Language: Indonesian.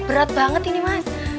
berat banget ini mas